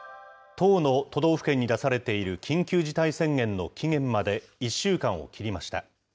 １０の都道府県に出されている緊急事態宣言の期限まで１週間を切りました。